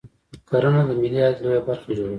کرنه د ملي عاید لویه برخه جوړوي